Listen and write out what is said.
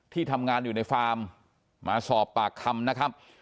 ที่ทำงานอยู่ในฟาร์มมาสอบปากคำนะครับ